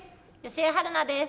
吉江晴菜です。